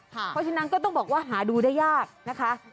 เพราะฉะนั้นก็ต้องบอกว่าหาดูได้ยากนะคะ